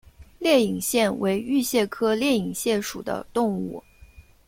裂隐蟹为玉蟹科裂隐蟹属的动物。